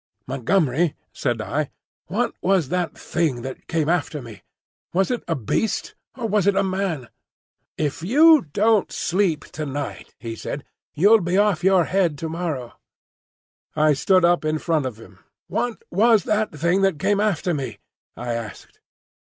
"Montgomery," said I, "what was that thing that came after me? Was it a beast or was it a man?" "If you don't sleep to night," he said, "you'll be off your head to morrow." I stood up in front of him. "What was that thing that came after me?" I asked.